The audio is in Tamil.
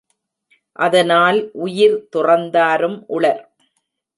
அதனால் உயிர் துறந்தாரும் உளர்.